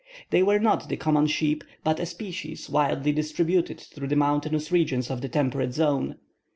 They were not the common sheep, but a species widely distributed through the mountainous regions of the temperate zone.